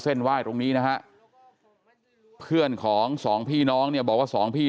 ไหว้ตรงนี้นะฮะเพื่อนของสองพี่น้องเนี่ยบอกว่าสองพี่